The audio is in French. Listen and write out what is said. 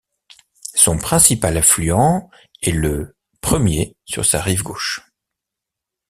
Son principal affluent est le Ier sur sa rive gauche.